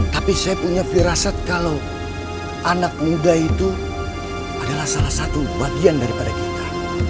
tapi saya punya firasat kalau anak muda itu adalah salah satu bagian daripada kita